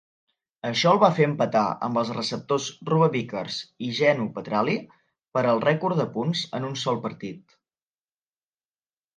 Això el va fer empatar amb els receptors Rube Vickers i Geno Petralli per al rècord de punts en un sol partit.